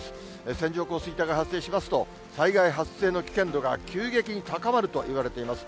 線状降水帯が発生しますと、災害発生の危険度が急激に高まるといわれています。